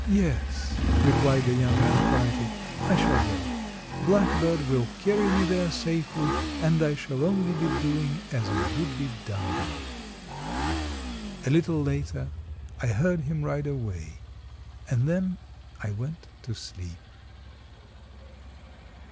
"Yes," replied the young man, quietly, "I shall go. Blackbird will carry me there safely, and I shall only be doing as I would be done by." A little later I heard him ride away, and then I went to sleep.